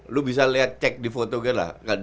lu bisa lihat cek di foto gue lah